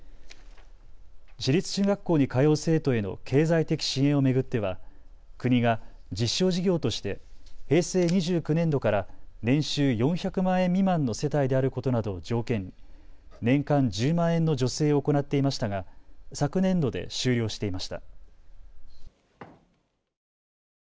私立中学校に通う生徒への経済的支援を巡っては国が実証事業として平成２９年度から年収４００万円未満の世帯であることなどを条件に年間１０万円の助成を行っていましたが昨年度で終了していました。